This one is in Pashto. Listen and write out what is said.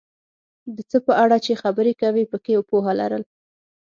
د څه په اړه چې خبرې کوې پکې پوهه لرل،